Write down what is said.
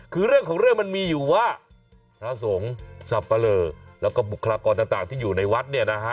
คือเรื่องของเรื่องมันมีอยู่ว่าพระสงฆ์สับปะเลอแล้วก็บุคลากรต่างที่อยู่ในวัดเนี่ยนะฮะ